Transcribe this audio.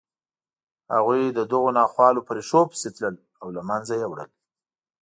هغوی د دغو ناخوالو په ریښو پسې تلل او له منځه یې وړل